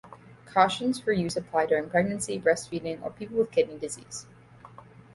Cautions for use apply during pregnancy, breast feeding, or in people with kidney disease.